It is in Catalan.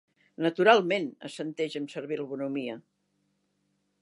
Naturalment, assenteix amb servil bonhomia.